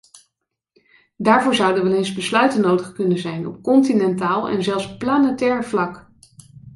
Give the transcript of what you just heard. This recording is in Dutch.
Daarvoor zouden wel eens besluiten nodig kunnen zijn op continentaal en zelfs planetair vlak.